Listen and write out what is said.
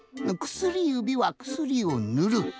薬指は薬をぬる。